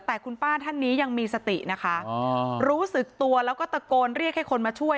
แต่คุณป้าท่านนี้ยังมีสตินะคะรู้สึกตัวแล้วก็ตะโกนเรียกให้คนมาช่วย